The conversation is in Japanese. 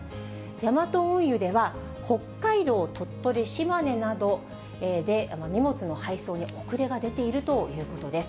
ヤマト運輸では、北海道、鳥取、島根などで、荷物の配送に遅れが出ているということです。